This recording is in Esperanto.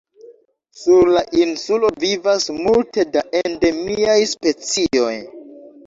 Sur la insulo vivas multe da endemiaj specioj.